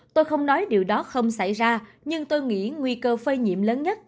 tôi không nói điều đó không xảy ra nhưng tôi nghĩ nguy cơ phơi nhiễm lớn nhất